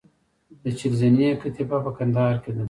د چهل زینې کتیبه په کندهار کې ده